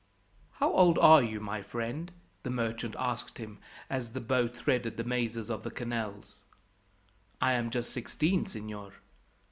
"How old are you, my friend?" the merchant asked him, as the boat threaded the mazes of the canals. "I am just sixteen, signor."